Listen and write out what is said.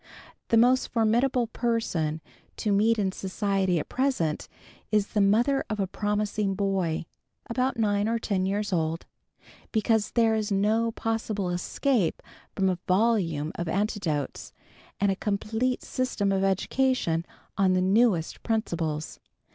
The most formidable person to meet in society at present, is the mother of a promising boy, about nine or ten years old; because there is no possible escape from a volume of anecdotes, and a complete system of education on the newest principles.